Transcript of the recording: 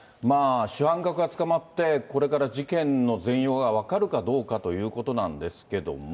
主犯格が捕まって、これから事件の全容が分かるかどうかということなんですけども。